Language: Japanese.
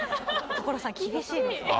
所さん厳しいですね。